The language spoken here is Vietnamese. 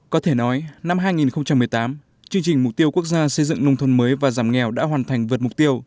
có thể nói năm hai nghìn một mươi tám chương trình mục tiêu quốc gia xây dựng nông thôn mới và giảm nghèo đã hoàn thành vượt mục tiêu